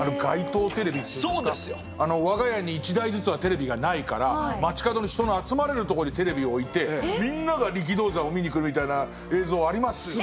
我が家に１台ずつはテレビがないから街角の人の集まれるとこにテレビを置いてみんなが力道山を見に来るみたいな映像ありますよね。